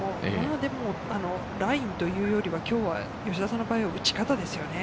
でもラインというよりは吉田さんの場合は打ち方ですよね。